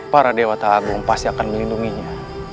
para dewa taagong pasti akan melindunginya